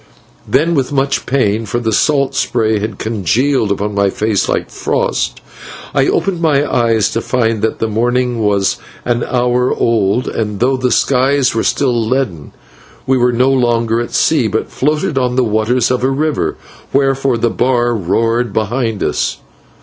Then with much pain, for the salt spray had congealed upon my face like frost, I opened my eyes to find that the morning was an hour old, and though the skies were still leaden we were no longer at sea, but floated on the waters of a river, whereof the bar roared behind us.